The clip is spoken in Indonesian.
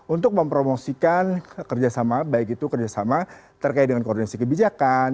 untuk mempromosikan kerjasama baik itu kerjasama terkait dengan koordinasi kebijakan